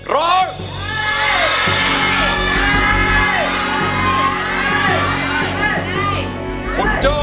ของคุณโจ้